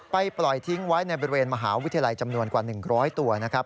ปล่อยทิ้งไว้ในบริเวณมหาวิทยาลัยจำนวนกว่า๑๐๐ตัวนะครับ